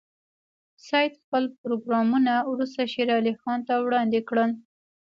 سید خپل پروګرامونه وروسته شېر علي خان ته وړاندې کړل.